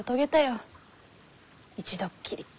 一度っきり。